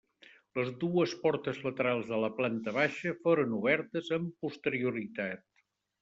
Les dues portes laterals de la planta baixa foren obertes amb posterioritat.